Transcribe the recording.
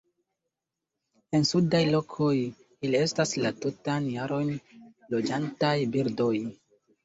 En sudaj lokoj, ili estas la tutan jaron loĝantaj birdoj.